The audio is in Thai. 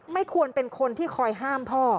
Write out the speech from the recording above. ไม่ควรเป็นคนที่คอยห้ามพ่อ